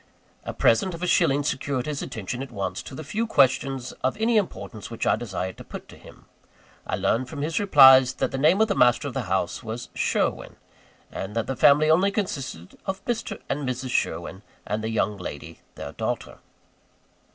A present of a shilling secured his attention at once to the few questions of any importance which I desired to put to him. I learned from his replies, that the name of the master of the house was "Sherwin:" and that the family only consisted of Mr. and Mrs. Sherwin, and the young lady, their daughter.